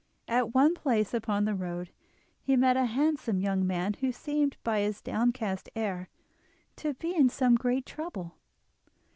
At one place upon the road he met a handsome young man who seemed by his downcast air to be in some great trouble.